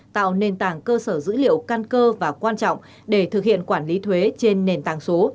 tạo nền tảng cơ sở dữ liệu căn cơ và quan trọng để thực hiện quản lý thuế trên nền tảng số